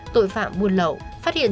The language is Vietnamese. tội phạm buôn lậu phát hiện